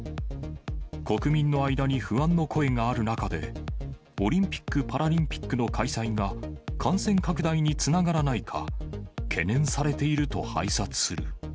国民の間に不安の声がある中で、オリンピック・パラリンピックの開催が感染拡大につながらないか懸念されていると拝察する。